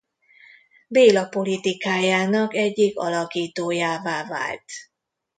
Béla politikájának egyik alakítójává vált.